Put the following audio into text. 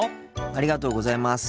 ありがとうございます。